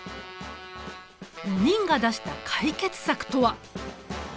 ４人が出した解決策とは。